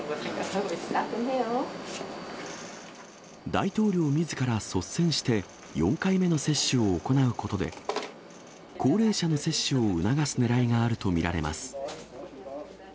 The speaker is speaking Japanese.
大統領みずから率先して４回目の接種を行うことで、高齢者の接種を促すねらいがあると見られます。